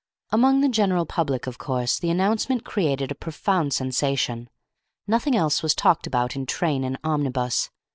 Among the general public, of course, the announcement created a profound sensation. Nothing else was talked about in train and omnibus.